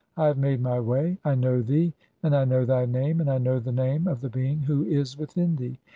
I have made [my] way. I know thee, and I "know (48) thy name, and I know the name of the being who "is within thee.